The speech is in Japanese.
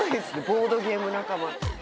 ボードゲーム仲間